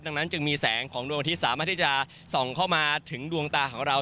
ดังนั้นจึงมีแสงของดวงอาทิตยสามารถที่จะส่องเข้ามาถึงดวงตาของเรา